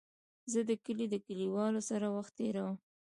زه د کلي د کليوالو سره وخت تېرووم.